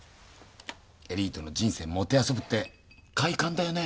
エリートの人生もてあそぶって快感だよね。